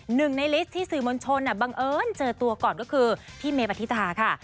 หนึ่งในลิสต์ที่สื่อมวลชนบังเอิญเจอตัวก่อนก็คือพี่เมปฏิตาค่ะ